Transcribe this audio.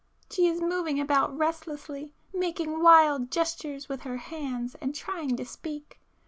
She is moving about restlessly, making wild gestures with her hands and trying to speak.